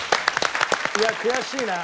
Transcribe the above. いや悔しいな。